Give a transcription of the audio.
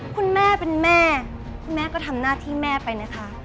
คุณแม่เป็นแม่คุณแม่ก็ทำหน้าที่แม่ไปนะคะ